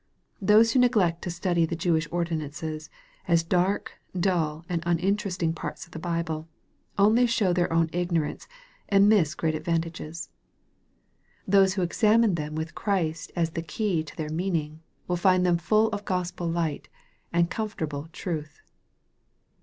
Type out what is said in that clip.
Those who neglect to study the Jewish ordinances, as dark, dull, and uninteresting parts of the Bible, only show their own ignorance, and miss great advantages. 306 EXPOSITORY THOUGHTS. Those who examine them with Christ as the key to then meaning, will find them full oi Gospel light and com fortable truth.